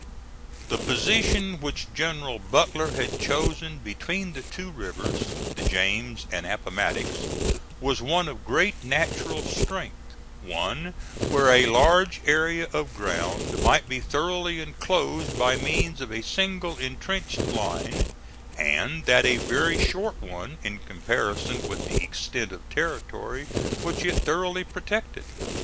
The position which General Butler had chosen between the two rivers, the James and Appomattox, was one of great natural strength, one where a large area of ground might be thoroughly inclosed by means of a single intrenched line, and that a very short one in comparison with the extent of territory which it thoroughly protected.